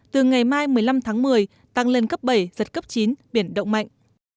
từ ngày mai một mươi năm tháng một mươi tăng lên cấp bảy giật cấp chín biển động mạnh